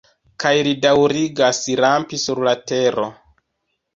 Kaj li daŭrigas rampi sur la tero.